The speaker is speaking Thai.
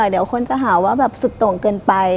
เดี๋ยวคนจะหาว่าแบบสุดโต่งเกินไป